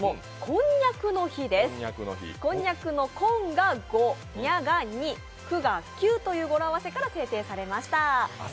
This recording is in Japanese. こんにゃくの「こん」が５、「にゃ」が２、「く」が９という語呂合わせから制定されました。